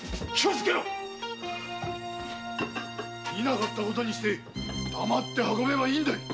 見なかった事にして黙って運べばいいのだ！